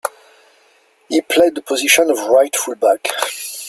He played the position of right full back.